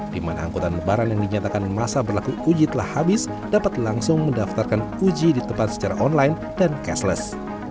di mana angkutan lebaran yang dinyatakan masa berlaku uji telah habis dapat langsung mendaftarkan uji di tempat secara online dan cashless